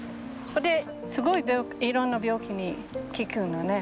これすごいいろんな病気に効くのね。